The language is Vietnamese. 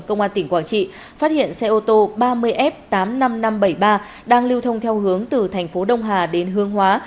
công an tỉnh quảng trị phát hiện xe ô tô ba mươi f tám mươi năm nghìn năm trăm bảy mươi ba đang lưu thông theo hướng từ thành phố đông hà đến hương hóa